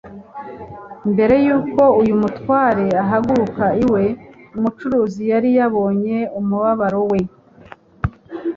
Mbere y’uko uyu mutware ahaguruka iwe, Umucunguzi yari yabonye umubabaro we.